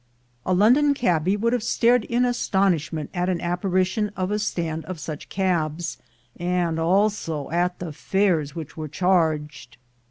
A London cabby would have stared in astonishment at an apparition of a stand of such cabs, and also at the fares which were charged.